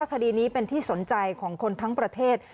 คดีนี้เป็นที่สนใจของคนทั้งประเทศ